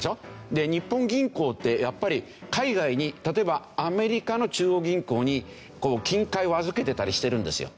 で日本銀行ってやっぱり海外に例えばアメリカの中央銀行に金塊を預けてたりしてるんですよ。